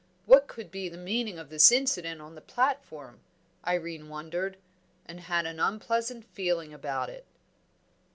What could be the meaning of this incident on the platform? Irene wondered, and had an unpleasant feeling about it.